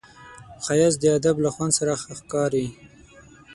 ښایست د ادب له خوند سره ښکاري